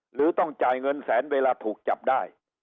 หรือต้องจ่ายเงินแสนเวลาถูกจับได้